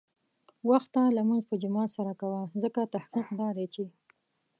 وخته لمونځ په جماعت سره کوه، ځکه تحقیق دا دی چې